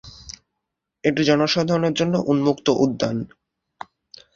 এটি জনসাধারণের জন্য উন্মুক্ত উদ্যান।